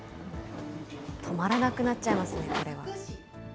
止まらなくなっちゃいますね、これは。